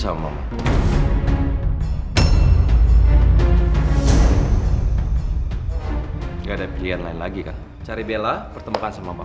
atau kita hanya olehee ihan hanya lagi berani berdiri istri yang ambil